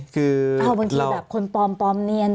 บางทีแบบคนปลอมปลอมเนียน